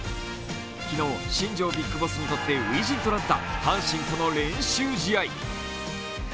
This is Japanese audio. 昨日、新庄ビッグボスにとって初陣となった阪神との練習試合。